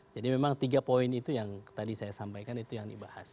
jadi memang tiga poin itu yang tadi saya sampaikan itu yang dibahas